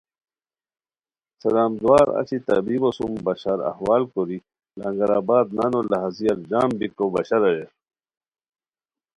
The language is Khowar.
سلام دُعار اچی طبیبو سُم بشار احوال کوری لنگرآباد نانو لہازیار جم بیکو بشار اریر